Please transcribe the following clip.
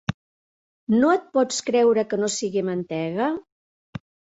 No et pots creure que no sigui mantega?